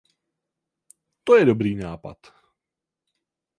To je dobrý nápad.